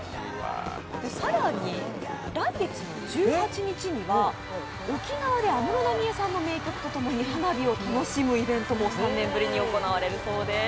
更に来月の１８日には沖縄で安室奈美恵さんの名曲とともに花火を楽しむイベントも３年ぶりに行われるそうです。